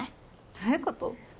どういうこと？